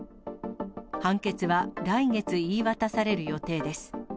判決は来月、言い渡される予定です。